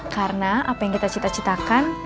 karena apa yang kita cita citakan